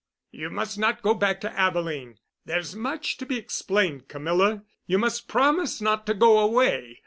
"You must not go back to Abilene. There's much to be explained, Camilla—you must promise not to go away!